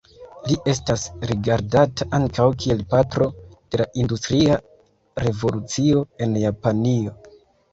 Li estas rigardata ankaŭ kiel patro de la industria revolucio en Japanio.